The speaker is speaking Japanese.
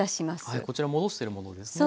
はいこちら戻しているものですね。